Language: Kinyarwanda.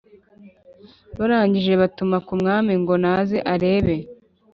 barangije batuma ku mwami ngo naze arebe